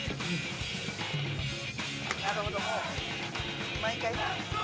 なるほどもう毎回ね。